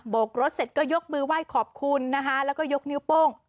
กรถเสร็จก็ยกมือไหว้ขอบคุณนะคะแล้วก็ยกนิ้วโป้ง